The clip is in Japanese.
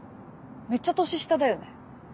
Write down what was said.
めっちゃ年下だよね。